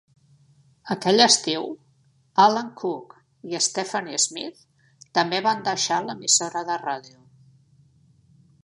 Aquell estiu Alan Cook i Stephanie Smith també van deixar l'emissora de ràdio.